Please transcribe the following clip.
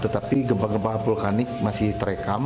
tetapi gempa gempa vulkanik masih terekam